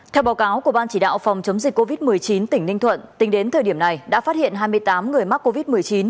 theo báo cáo của ban chỉ đạo phòng chống dịch covid một mươi chín tỉnh ninh thuận tính đến thời điểm này đã phát hiện hai mươi tám người mắc covid một mươi chín